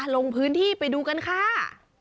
ลงพื้นที่ไปดูกันค่ะ